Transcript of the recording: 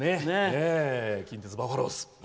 近鉄バファローズ。